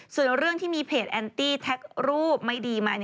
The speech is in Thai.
ส่วนเรื่องที่มีเพจแอนตี้แท็กรูปไม่ดีมา